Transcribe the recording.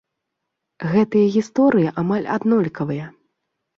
Гэтыя гісторыі амаль аднолькавыя.